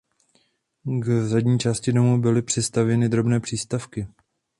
K zadní části domu byly přistavěny drobné přístavky.